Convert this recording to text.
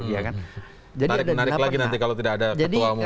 tarik menarik lagi nanti kalau tidak ada ketua umum